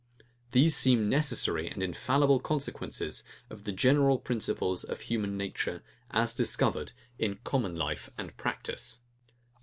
These seem necessary and infallible consequences of the general principles of human nature, as discovered in common life and practice.